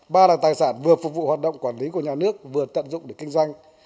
ba là tài sản vừa phục vụ hoạt động quản lý của nhà nước vừa tận dụng để kinh doanh